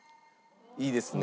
いいですね？